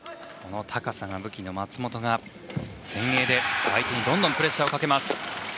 高さが武器の松本が前衛で相手にどんどんとプレッシャーをかけます。